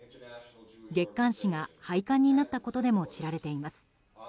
月刊誌が廃刊になったことでも知られています。